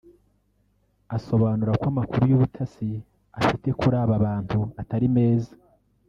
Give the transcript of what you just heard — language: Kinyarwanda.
asobanura ko amakuru y’ubutasi afite kuri aba bantu atari meza